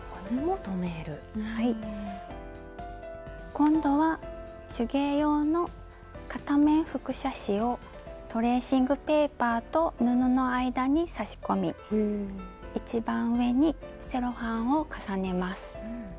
今度は手芸用の片面複写紙をトレーシングペーパーと布の間に差し込み一番上にセロハンを重ねます。